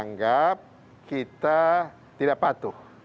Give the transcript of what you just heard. menganggap kita tidak patuh